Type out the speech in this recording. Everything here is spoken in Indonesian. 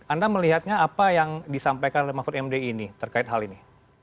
anda melihatnya apa yang disampaikan mahfud md ini terkait hal ini